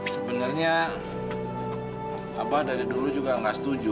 sebenarnya abah dari dulu juga enggak setuju